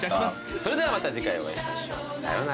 それではまた次回お会いしましょうさようなら。